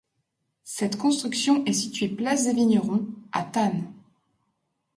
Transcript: Cette construction est située place des Vignerons à Thann.